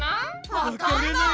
わかんない！